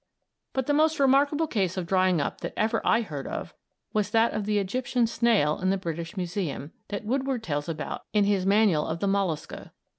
But the most remarkable case of drying up that ever I heard of was that of the Egyptian snail in the British Museum, that Woodward tells about in his "Manual of the Mollusca."